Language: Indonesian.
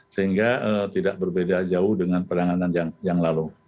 sehingga tidak berbeda jauh dengan penanganan yang lalu